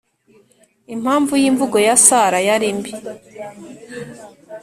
impamvu yʼimvugo ya sara yari mbi!